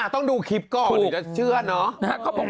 ต้องดูคลิปก่อนเชื่อนเนอะ